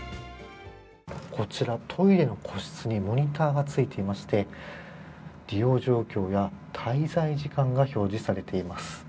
こちらトイレの個室にモニターがついていまして、利用状況や滞在時間が表示されています。